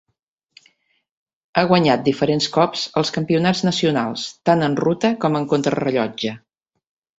Ha guanyat diferents cops els campionats nacionals tant en ruta com en contrarellotge.